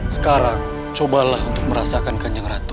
sekarang cobalah untuk merasakan kanjeng ratu